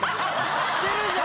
してるじゃん。